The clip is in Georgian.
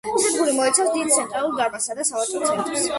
სადგური მოიცავს დიდ ცენტრალურ დარბაზსა და სავაჭრო ცენტრს.